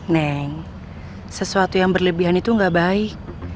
neng sesuatu yang berlebihan itu gak baik